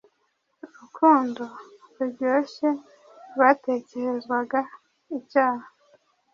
urukundo ruryoshye, rwatekerezwaga icyaha.